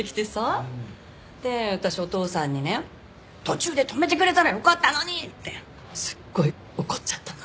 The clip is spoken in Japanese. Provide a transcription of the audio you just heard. で私お父さんにね「途中で止めてくれたらよかったのに！」ってすっごい怒っちゃったの。